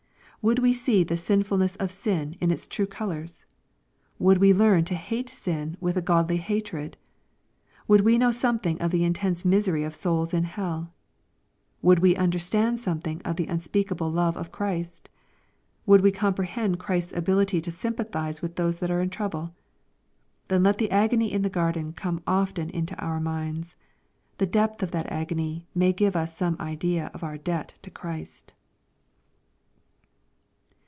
Would we see the sinfulness of sin in its true colors ? Would we learn to hate sin with a godly hatred ? Would we know something of the intense misery of souls in hell ? Would we understand something of the unspeakable love ©f Christ ? Would we comprehend Christ's ability to sympathize with those that are in trouble ? Then let \ the agony in the garden come often into our minds. The J depth of that agony may give us some idea of our debt • to Christ.